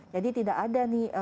jadi tidak ada nih